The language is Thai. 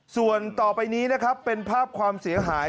ส่วนต่อไปนี้นะครับเป็นภาพความเสียหาย